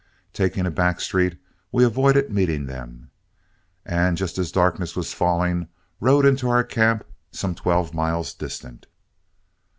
Taking a back street, we avoided meeting them, and just as darkness was falling, rode into our camp some twelve miles distant.